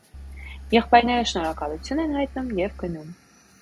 Եղբայրները շնորհակալություն են հայտնում և գնում։